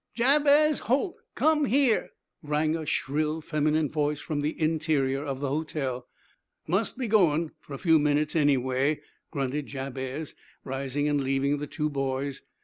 Jabez Holt! Come here!" rang a shrill, feminine voice from the interior of the hotel. "Must be goin', for a few minutes, anyway," grunted Jabez, rising and leaving the two boys.